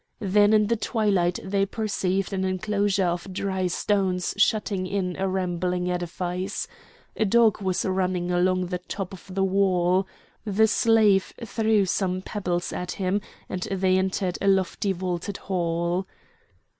Then in the twilight they perceived an enclosure of dry stones shutting in a rambling edifice. A dog was running along the top of the wall. The slave threw some pebbles at him and they entered a lofty vaulted hall.